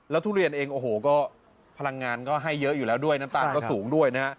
ทุเรียนเองโอ้โหก็พลังงานก็ให้เยอะอยู่แล้วด้วยน้ำตาลก็สูงด้วยนะฮะ